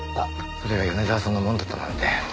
それが米沢さんのものだったなんて。